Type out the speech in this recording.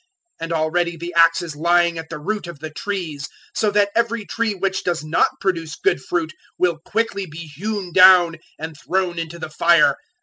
003:010 And already the axe is lying at the root of the trees, so that every tree which does not produce good fruit will quickly be hewn down and thrown into the fire.